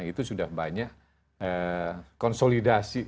itu sudah banyak konsolidasi